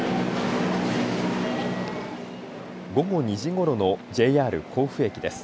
午後２時ごろのＪＲ甲府駅です。